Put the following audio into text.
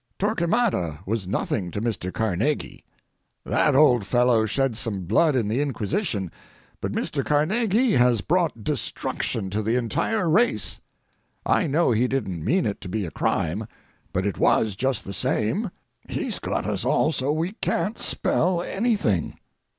Torquemada was nothing to Mr. Carnegie. That old fellow shed some blood in the Inquisition, but Mr. Carnegie has brought destruction to the entire race. I know he didn't mean it to be a crime, but it was, just the same. He's got us all so we can't spell anything.